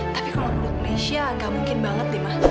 tapi kalau untuk nisha gak mungkin banget deh ma